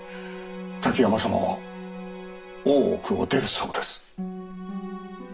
滝山様は大奥を出るそうです。